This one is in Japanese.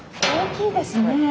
大きいですね。